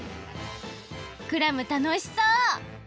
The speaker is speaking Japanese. クラムたのしそう！